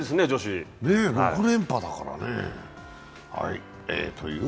６連覇だからね。